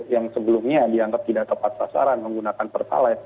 yang sebelumnya dianggap tidak tepat sasaran menggunakan pertalite